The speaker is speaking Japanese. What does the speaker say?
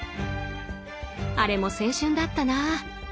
あれも青春だったな。